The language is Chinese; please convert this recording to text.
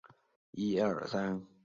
李弘从此失宠。